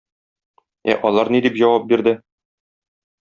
Ә алар ни дип җавап бирде?